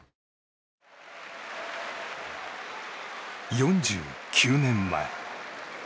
４９年前。